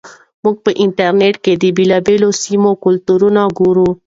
موږ په انټرنیټ کې د بېلابېلو سیمو کلتور ګورو.